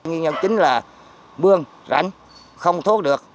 nguyên nhân chính là mương rảnh không thoát được